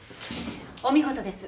お見事です。